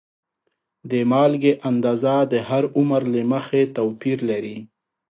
د مالګې اندازه د هر عمر له مخې توپیر لري.